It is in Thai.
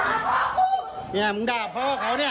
จังหวะตรงนี้เนี่ยหลังจากเกิดเหตุการณ์ยิงไปแล้วเนี่ย